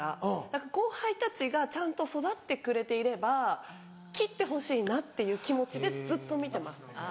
だから後輩たちがちゃんと育ってくれていれば切ってほしいなっていう気持ちでずっと見てます。